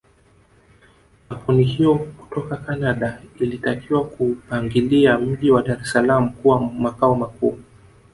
Kampuni hiyo kutoka Canada ilitakiwa kuupangilia mji wa Dar es salaam kuwa makao makuu